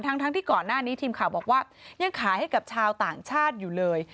ทั้งที่ก่อนหน้านี้ทีมข่าวบอกว่ายังขายให้กับชาวต่างชาติอยู่เลย